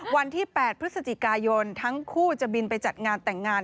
วันที่๘พฤศจิกายนทั้งคู่จะบินไปจัดงานแต่งงาน